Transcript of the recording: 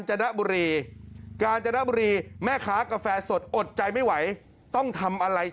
ชื่อต้นไม้